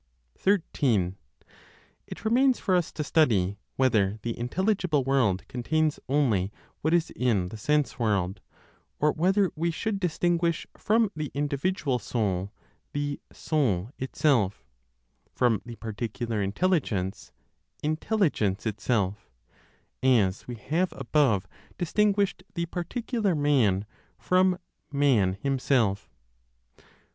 13. It remains for us to study whether the intelligible world contains only what is in the sense world, or whether we should distinguish from the individual soul the Soul itself, from the particular intelligence, Intelligence itself, as we have above distinguished the particular man from Man himself.